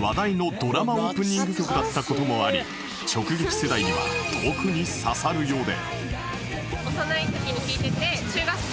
話題のドラマオープニング曲だった事もあり直撃世代には特に刺さるようで